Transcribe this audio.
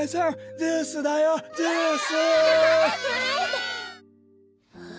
ジュースだよジュース！はあ。